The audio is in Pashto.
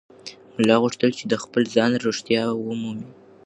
ملا غوښتل چې د خپل ځان رښتیا ومومي.